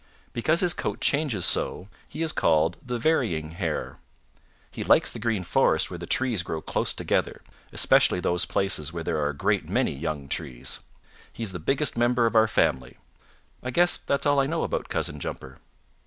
Because his coat changes so, he is called the varying Hare. He likes the Green Forest where the trees grow close together, especially those places where there are a great many young trees. He's the biggest member of our family. I guess that's all I know about Cousin Jumper."